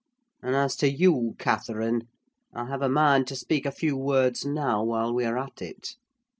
And as to you, Catherine, I have a mind to speak a few words now, while we are at it.